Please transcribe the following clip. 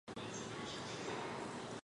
欧卡是葡萄牙阿威罗区的一个堂区。